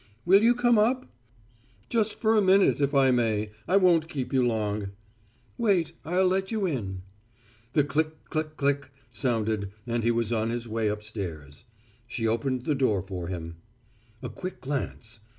"Will you come up?" "Just for a minute, if I may. I won't keep you long." "Wait, I'll let you in." The click click click sounded and he was on his way upstairs. She opened the door for him. A quick glance.